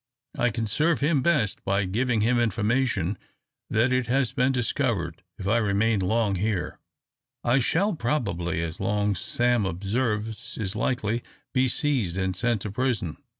"I can serve him best by giving him information that it has been discovered. If I remain long here, I shall probably, as Long Sam observes is likely, be seized and sent to prison.